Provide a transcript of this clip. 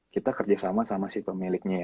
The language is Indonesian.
kita kerjasama sama si pemiliknya